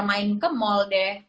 main ke mall deh